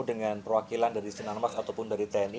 dengan perwakilan dari sinarmas ataupun dari tni